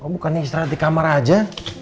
bukannya istirahat di kamar aja